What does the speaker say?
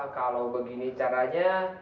kalau begini caranya